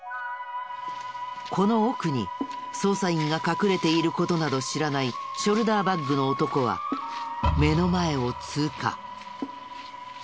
この奥に捜査員が隠れている事など知らないショルダーバッグの男は目の前を通過。